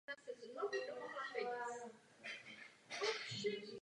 Film se odehrává ve světě nelegálního obchodu se zbraněmi.